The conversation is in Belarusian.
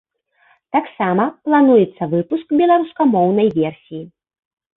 Таксама плануецца выпуск беларускамоўнай версіі.